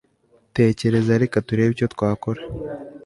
Tekereza reka turebe icyo twakora